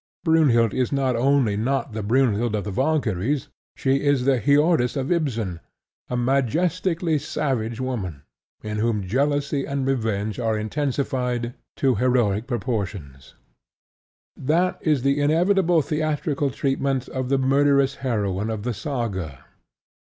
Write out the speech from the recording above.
Brynhild is not only not the Brynhild of The Valkyries, she is the Hiordis of Ibsen, a majestically savage woman, in whom jealousy and revenge are intensified to heroic proportions. That is the inevitable theatrical treatment of the murderous heroine of the Saga.